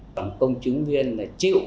còn công chứng viên là chịu